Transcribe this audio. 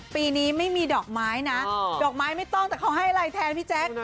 ปีนี้ไม่มีดอกไม้นะดอกไม้ไม่ต้องแต่เขาให้อะไรแทนพี่แจ๊ค